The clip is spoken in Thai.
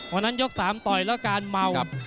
วันนั้นยก๓ต่อยแล้วการเมา